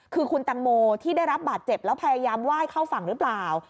คือคุณตังโมที่ได้รับบาดเจ็บแล้วพยายามไหว้เข้าฝั่งหรือเปล่า